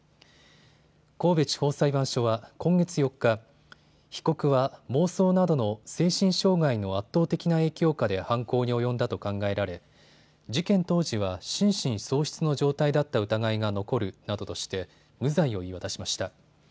神戸地方裁判所は今月４日、被告は妄想などの精神障害の圧倒的な影響下で犯行に及んだと考えられ事件当時は心神喪失の状態だった疑いが残るなどとして無罪を言い渡しました。